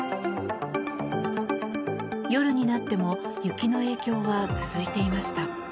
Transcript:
夜になっても雪の影響は続いていました。